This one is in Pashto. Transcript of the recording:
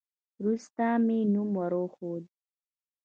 وروسته مې نوم ور وښود.